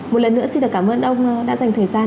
một lần nữa xin được cảm ơn ông đã dành thời gian